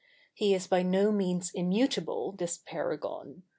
He is by no means immutable, this paragon.